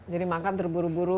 jadi makan terburu buru